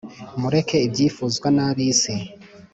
Mureke ibyifuzwa nabiyisi